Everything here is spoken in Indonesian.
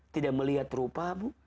tidak melihat rupamu